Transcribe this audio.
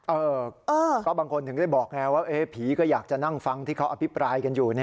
เออก็บางคนถึงได้บอกไงว่าผีก็อยากจะนั่งฟังที่เขาอภิปรายกันอยู่